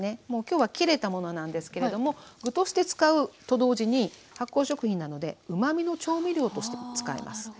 もう今日は切れたものなんですけれども具として使うと同時に発酵食品なのでうまみの調味料としても使えます。